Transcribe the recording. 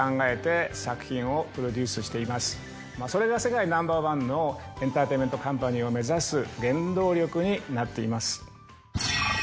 それが世界ナンバーワンのエンターテインメントカンパニーを目指す原動力になっています。